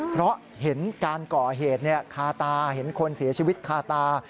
เพราะเห็นการก่อเหตุคาตาเห็นคนเสียชีวิตคาตา